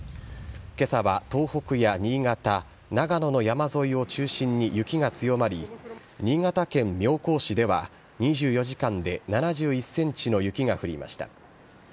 けさは東北や新潟、長野の山沿いを中心に雪が強まり、新潟県妙高市では、２４時間で７１センチの雪が降りました。